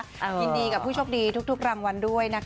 ยินดีกับผู้โชคดีทุกรางวัลด้วยนะคะ